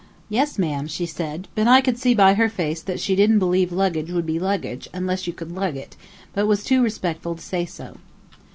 "Yes, ma'am," said she; but I could see by her face that she didn't believe luggage would be luggage unless you could lug it, but was too respectful to say so.